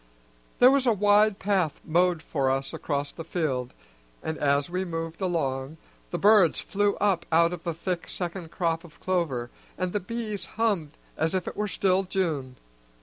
There was a wide path mowed for us across the field, and, as we moved along, the birds flew up out of the thick second crop of clover, and the bees hummed as if it still were June.